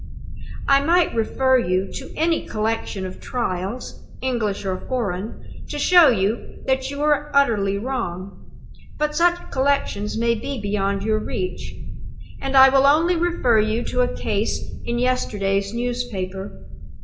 I might refer you to any collection of Trials, English or foreign, to show that you were utterly wrong. But such collections may be beyond your reach; and I will only refer you to a case in yesterday's newspaper.